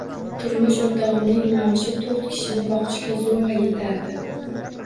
Turmush o`rtog`imning maoshi to`rt kishini boqishga zo`rg`a etardi